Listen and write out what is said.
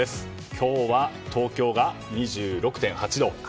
今日は東京が２６．８度。